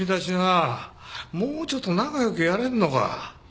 あもうちょっと仲良くやれんのか。